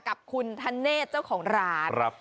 กับคุณธเนธเจ้าของร้าน